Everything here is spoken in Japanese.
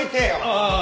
ああ。